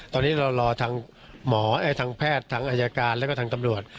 ตอนนี้เรารอทางหมอทางแพทย์ทางอายการแล้วก็ทางตำรวจ